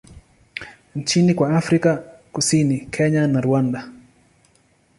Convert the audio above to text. nchini kwa Afrika Afrika Kusini, Kenya na Rwanda.